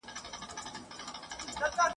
زموږ كوڅې ته به حتماً وي غله راغلي !.